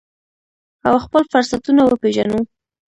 او خپل فرصتونه وپیژنو.